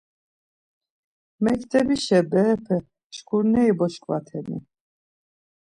Mektebişa berepe şkurneri boşkvateni?